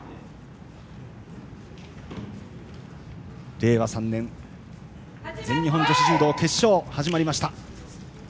令和３年、全日本女子柔道決勝始まりました。